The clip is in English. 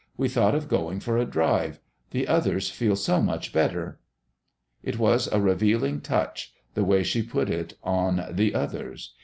We thought of going for a drive. The others feel so much better." It was a revealing touch the way she put it on "the others."